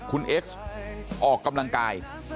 คุณเอสออกกำลังกาย